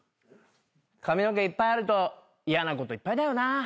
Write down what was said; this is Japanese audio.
髪の毛いっぱいあると嫌なこといっぱいだよなぁ。